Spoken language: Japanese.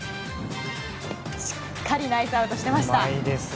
しっかりナイスアウトしていました。